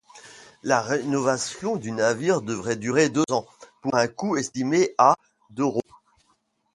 La rénovation du navire devrait durer deux ans pour un coût estimé à d’euros.